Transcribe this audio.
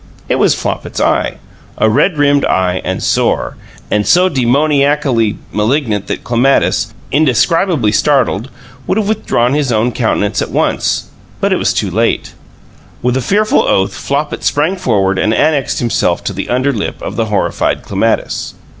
It was Flopit's eye, a red rimmed eye and sore and so demoniacally malignant that Clematis, indescribably startled, would have withdrawn his own countenance at once but it was too late. With a fearful oath Flopit sprang upward and annexed himself to the under lip of the horrified Clematis.